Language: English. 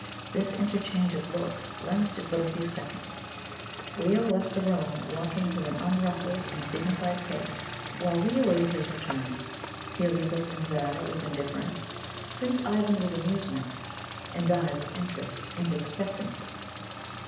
This interchange of looks lasted but a few seconds. Leo left the room, walking with an unruffled and dignified pace, while we awaited his return Heliobas and Zara with indifference, Prince Ivan with amusement, and I with interest and expectancy.